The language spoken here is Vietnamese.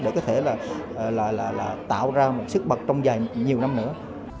để có thể tạo ra một sức mật trong nhiều năm nữa